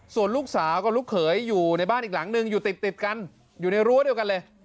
ส่วนลูกสาวกับลูกเขยอยู่ในบ้านอีกหลังนึงอยู่ติดกันอยู่ในรั้วเดียวกันเลย